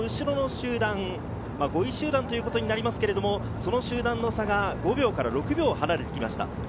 この先頭集団とその後ろの集団、５位集団ということになりますが、その集団の差が５秒から６秒離れてきました。